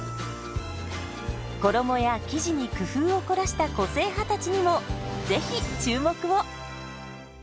衣や生地に工夫を凝らした個性派たちにもぜひ注目を！